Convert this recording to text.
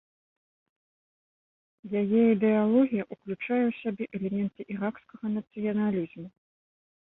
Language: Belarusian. Яе ідэалогія ўключае ў сябе элементы іракскага нацыяналізму.